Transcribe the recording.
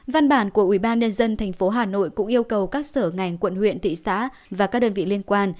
văn bản của ubnd tp hà nội cũng yêu cầu các sở ngành quận huyện thị xã và các đơn vị liên quan